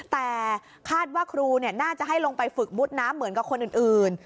แต่คาดว่าครูน่าจะให้ลงไปฝึกมุดน้ำเหมือนกับคนอื่น